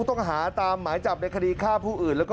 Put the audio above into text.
ตอนนี้ก็ยิ่งแล้ว